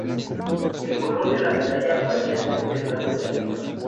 El color de la medalla varía según el grado de la misma.